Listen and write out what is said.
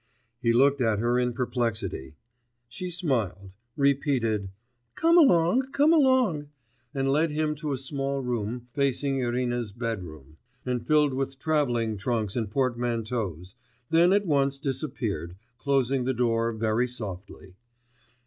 He looked at her in perplexity. She smiled, repeated: 'Come along, come along,' and led him to a small room, facing Irina's bedroom, and filled with travelling trunks and portmanteaus, then at once disappeared, closing the door very softly.